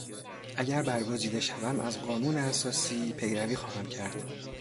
اگر برگزیده شوم از قانون اساسی پیروی خواهم کرد.